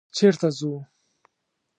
_چېرته ځو؟